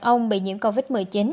không bị nhiễm covid một mươi chín